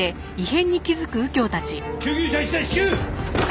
救急車１台至急！